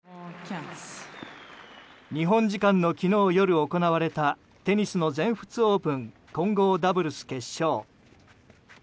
日本時間の昨日夜行われたテニスの全仏オープン混合ダブルス決勝。